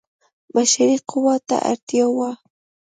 بشري قوې ته اړتیا وه.